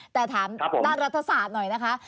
แต่ถามด้านรัฐศาสตร์หน่อยนะคะ